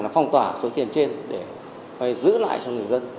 là phong tỏa số tiền trên để giữ lại cho người dân